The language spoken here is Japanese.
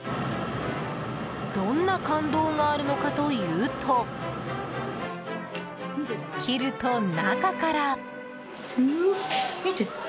どんな感動があるのかというと切ると、中から。